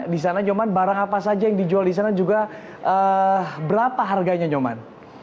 di sana nyoman barang apa saja yang dijual di sana juga berapa harganya nyoman